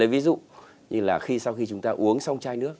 ví dụ như là khi sau khi chúng ta uống xong chai nước